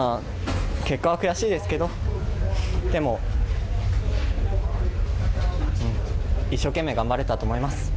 結果は悔しいですけど、でも、一生懸命頑張れたと思います。